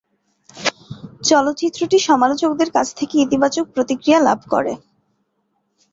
চলচ্চিত্রটি সমালোচকদের কাছ থেকে ইতিবাচক প্রতিক্রিয়া লাভ করে।